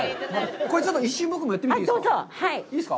これちょっと一瞬僕もやっていいですか？